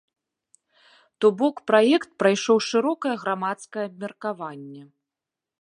То бок, праект прайшоў шырокае грамадскае абмеркаванне.